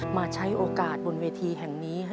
มาใช้โอกาสบนเวทีแห่งนี้